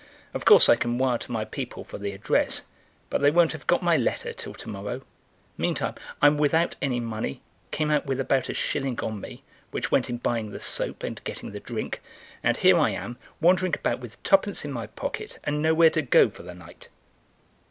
Of course I can wire to my people for the address, but they won't have got my letter till to morrow; meantime I'm without any money, came out with about a shilling on me, which went in buying the soap and getting the drink, and here I am, wandering about with twopence in my pocket and nowhere to go for the night."